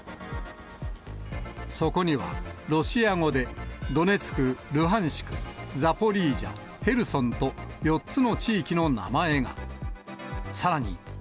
そこにはロシア語で、ドネツク、ルハンシク、ザポリージャ、ヘルソンと、４つの地域の名前が。